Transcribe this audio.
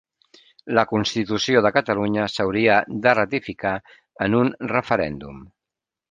La constitució de Catalunya s'hauria de ratificar en un referèndum